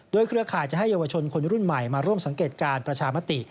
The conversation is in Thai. โดยเครือข่ายจะให้เยาวชนคนรุ่นใหม่มาร่วมสังเกตการประชามติ